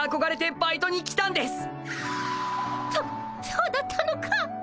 そそうだったのか。